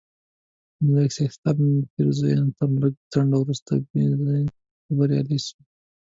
د لوی څښتن په پېرزوینه تر لږ ځنډ وروسته بیرته په دې بریالی سوم،